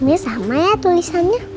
ini sama ya tulisannya